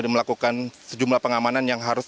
melakukan sejumlah pengamanan yang harus